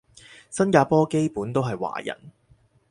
新加坡基本都係華人